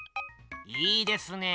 いいですねえ。